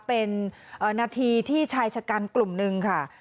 เป็นนาทีที่ชายชะกันกลุ่มนึงค่ะ